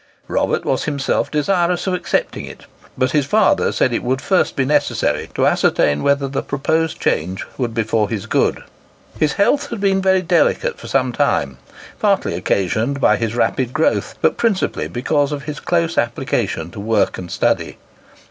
Robert was himself desirous of accepting it, but his father said it would first be necessary to ascertain whether the proposed change would be for his good. His health had been very delicate for some time, partly occasioned by his rapid growth, but principally because of his close application to work and study.